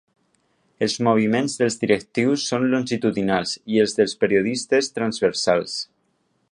Els moviments dels directius són longitudinals i els dels periodistes transversals.